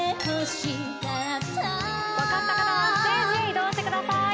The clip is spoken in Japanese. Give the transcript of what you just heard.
わかった方はステージへ移動してください。